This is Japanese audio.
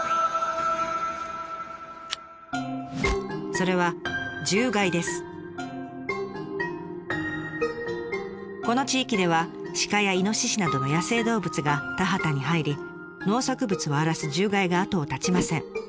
それはこの地域では鹿やイノシシなどの野生動物が田畑に入り農作物を荒らす獣害が後を絶ちません。